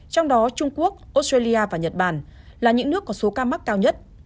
trong đó trung quốc australia và nhật bản là những nước có số ca mắc cao nhất